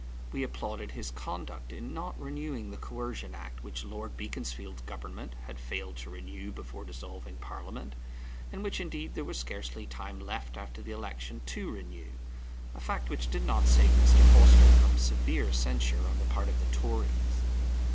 We applauded his conduct in not renewing the Coercion Act which Lord Beaconsfield's Government had failed to renew before dissolving Parliament, and which indeed there was scarcely time left after the election to renew, a fact which did not save Mr. Forster from severe censure on the part of the Tories.